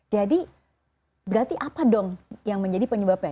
jadi berarti apa dong yang menjadi penyebabnya